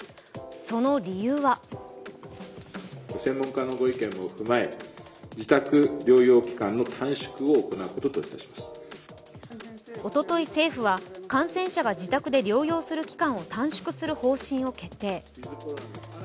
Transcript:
その理由はおととい政府は、感染者が自宅で療養する期間を短縮する方針を決定。